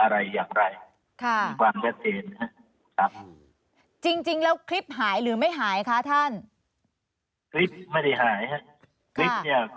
แต่ว่าต้องมีรายละเอียดเพิ่ม